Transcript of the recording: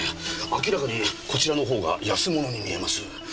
明らかにこちらのほうが安物に見えます。